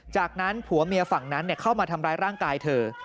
จากนั้นผัวเมียฝั่งนั้นเข้ามาทำร้ายร่างกายเธอ